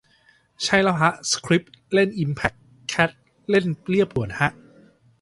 ใช่แล้วฮะ สคริปเล่นอิมแพค แคทเล่นเลียบด่วนฮะ